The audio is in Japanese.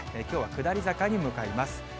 きょうは下り坂に向かいます。